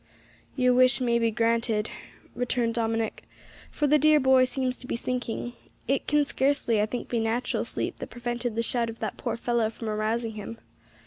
"Your wish may be granted," returned Dominick, "for the dear boy seems to be sinking. It can scarcely, I think, be natural sleep that prevented the shout of that poor fellow from arousing him.